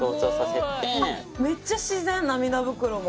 めっちゃ自然涙袋も。